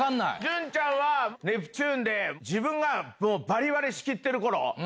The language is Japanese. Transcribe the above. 潤ちゃんはネプチューンでバリバリ仕切ってる頃。